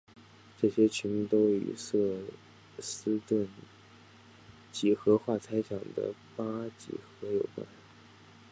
这些群都与瑟斯顿几何化猜想的八几何有关。